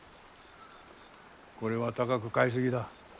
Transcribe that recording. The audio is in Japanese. これは高く買い過ぎだ。